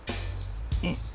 うん！